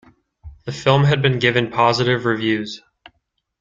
The film has been given positive reviews.